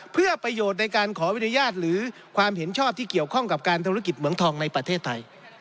เพื่อประโยชน์ในการขออนุญาตหรือความเห็นชอบที่เกี่ยวข้องกับการธุรกิจเหมืองทองในประเทศไทย